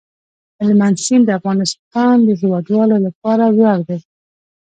هلمند سیند د افغانستان د هیوادوالو لپاره ویاړ دی.